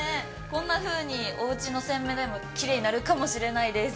こんなふうにおうちの洗面台も、きれいになるかもしれないです。